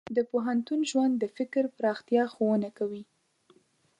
د پوهنتون ژوند د فکر پراختیا ښوونه کوي.